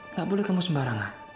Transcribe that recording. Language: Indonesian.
nggak boleh kamu sembarangan